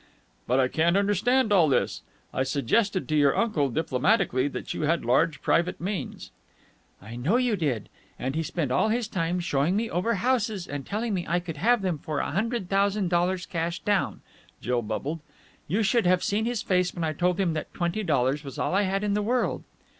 "But I can't understand all this. I suggested to your uncle diplomatically that you had large private means." "I know you did. And he spent all his time showing me over houses and telling me I could have them for a hundred thousand dollars cash down." Jill bubbled. "You should have seen his face when I told him that twenty dollars was all I had in the world!"